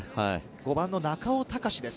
５番の中尾誉です。